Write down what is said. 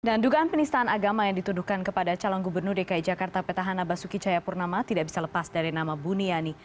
dan dugaan penistaan agama yang dituduhkan kepada calon gubernur dki jakarta petahana basuki cayapurnama tidak bisa lepas dari nama buniani